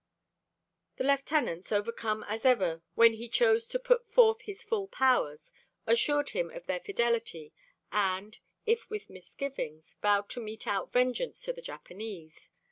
The lieutenants, overcome as ever when he chose to put forth his full powers, assured him of their fidelity and, if with misgivings, vowed to mete out vengeance to the Japanese.